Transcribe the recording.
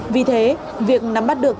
vì thế việc nắm bắt được